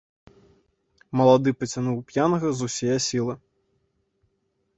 Малады пацягнуў п'янага з усяе сілы.